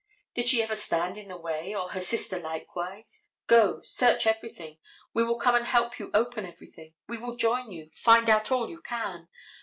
Did she ever stand in the way, or her sister likewise? Go, search everything, we will come and help you open everything. We will join you; find out all you can.